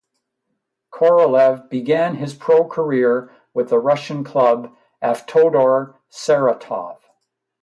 Korolev began his pro career with the Russian club Avtodor Saratov.